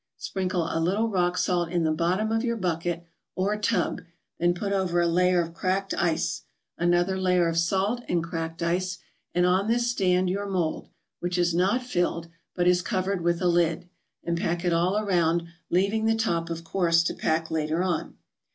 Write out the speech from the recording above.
Sprinkle a little rock salt in the bottom of your bucket or tub, then put over a layer of cracked ice, another layer of salt and cracked ice, and on this stand your mold, which is not filled, but is covered with a lid, and pack it all around, leaving the top, of course, to pack later on.